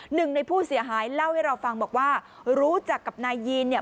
หนึ่งในผู้เสียหายเล่าให้เราฟังบอกว่ารู้จักกับนายยีนเนี่ย